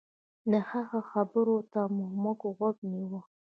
د هغه خبرو ته به مو غوږ نيوه.